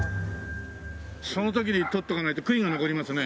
その時に撮っておかないと悔いが残りますね。